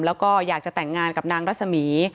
แล้วก็อยากจะแต่งงานกับนางรัศมี